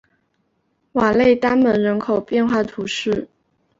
瓦勒丹门人口变化图示